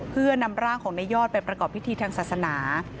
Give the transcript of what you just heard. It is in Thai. เพื่อนำร่างของในยอดไปประกอบพิธีทางศาสนา